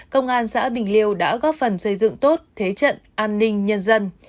công an xã bình liêu đã góp phần xây dựng tốt thế trận an ninh nhân dân